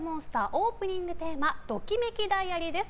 オープニングテーマ「ドキメキダイアリー」です。